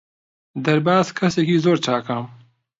دەرباز کەسێکی زۆر چاکە.